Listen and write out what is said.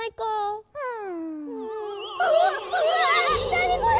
なにこれ！